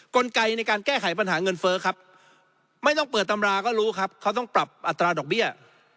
กลไกในการแก้ไขปัญหาเงินเฟ้อครับไม่ต้องเปิดตำราก็รู้ครับเขาต้องปรับอัตราดอกเบี้ย